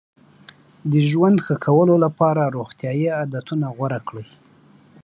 د ژوند ښه کولو لپاره روغتیایي عادتونه غوره کړئ.